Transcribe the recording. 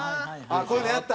こういうのやった？